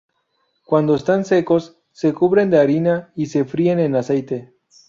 Cuando están secos se cubren de harina y se fríen en aceite.